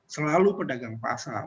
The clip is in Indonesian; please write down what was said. selalu pedagang pasar